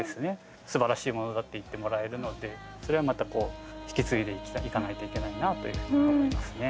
すばらしいものだって言ってもらえるのでそれはまたこう引き継いでいかないといけないなというふうに思いますね。